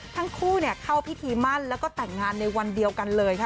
ทั้งคู่เข้าพิธีมั่นแล้วก็แต่งงานในวันเดียวกันเลยค่ะ